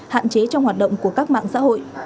hạn chế trong hoạt động của các mạng xã hội